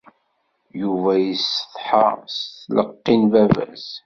Yuba yessetḥa s tleqqi n baba-s.